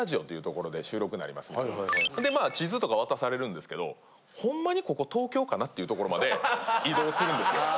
でまあ地図とか渡されるんですけどほんまにここ東京かな？っていう所まで移動するんですよ。